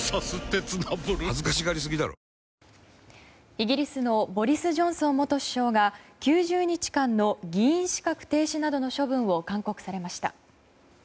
イギリスのボリス・ジョンソン元首相が９０日間の議員資格停止などの処分を勧告されました。